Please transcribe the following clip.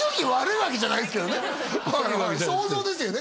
想像ですよね？